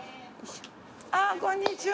あぁこんにちは。